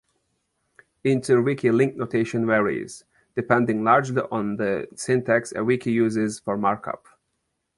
Interwiki link notation varies, depending largely on the syntax a wiki uses for markup.